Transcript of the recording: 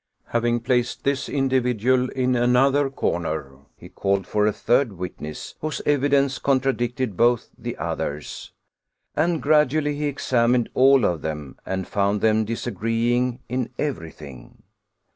Having placed this individual in another comer, he called for a third witness whose evidence contradicted both the others, and gradually he examined all of them, and found them disagreeing in everything.